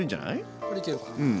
これいけるかな。